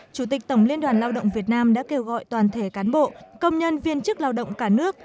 chủ tịch tổng liên đoàn lao động việt nam đã kêu gọi toàn thể cán bộ công nhân viên chức lao động cả nước